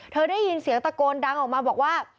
ได้ยินเสียงตะโกนดังออกมาบอกว่า